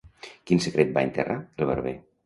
Quin secret va enterrar el barber?